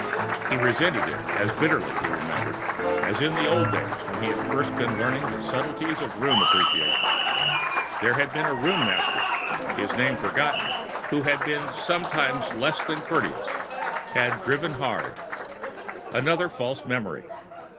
He resented it as bitterly, he remembered, as in the old days when he had first been learning the subtleties of Ruin Appreciation. There had been a Ruin Master, his name forgotten, who had been sometimes less than courteous, had driven hard Another false memory!